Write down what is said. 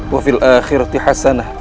wafil akhiratih hasanah